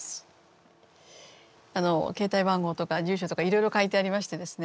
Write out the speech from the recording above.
携帯番号とか住所とかいろいろ書いてありましてですね